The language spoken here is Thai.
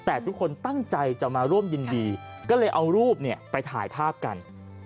แต่ทุกคนตั้งใจจะมาร่วมยินดีก็เลยเอารูปไปถ่ายภาพกัน